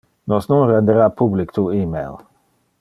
Nos non rendera public tu email